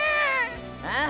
ああ。